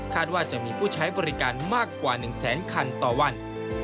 ว่าจะมีผู้ใช้บริการมากกว่า๑แสนคันต่อวัน